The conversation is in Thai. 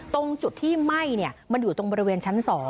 ตรงจุดที่ไหม้มันอยู่ตรงบริเวณชั้น๒